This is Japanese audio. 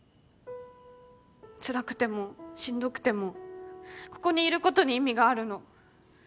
つらくてもしんどくてもここにいることに意味があるの。